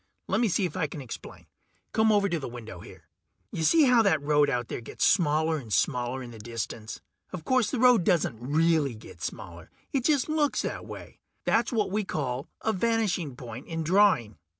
Lemme see if I can explain. Come over to the window here. Ya see how that road out there gets smaller and smaller in the distance? Of course the road doesn't really get smaller it just looks that way. That's what we call a vanishing point in drawing.